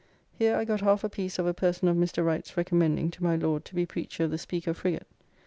Here I got half a piece of a person of Mr. Wright's recommending to my Lord to be Preacher of the Speaker frigate.